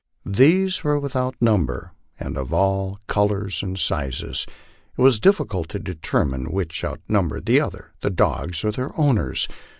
These were without number, and of all colors and sizes. It was difficult to determine which outnumbered the other, the dogs or their owners.